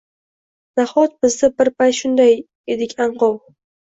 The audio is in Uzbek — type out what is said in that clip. Nahot biz-da bir payt shunday edik anqov?!